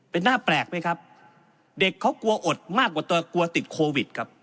เป็นหน้าแปลกไหมครับเด็กเขากลัวอดมากกว่าตัวกลัวติดโควิดครับ